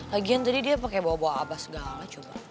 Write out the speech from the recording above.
lagian tadi dia pake bawa bawa aba segala coba